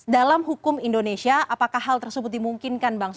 dalam hukum indonesia apakah hal tersebut dimungkinkan bang